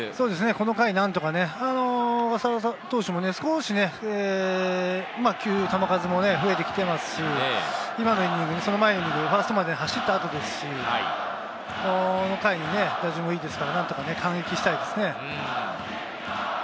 この回、何とかね小笠原投手も少しね、球数が増えてきていますし、その前のイニング、ファーストまで走った後ですし、この回、打順もいいですから、何とか反撃したいですね。